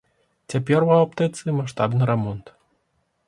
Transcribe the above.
Цяпер у аптэцы маштабны рамонт.